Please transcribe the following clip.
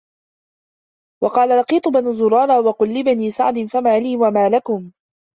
وَقَالَ لَقِيطُ بْنُ زُرَارَةَ وَقُلْ لِبَنِي سَعْدٍ فَمَا لِي وَمَا لَكُمْ